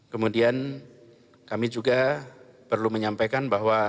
kemudian kami juga perlu menyampaikan bahwa